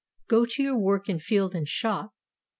"Go to your work in field and shop.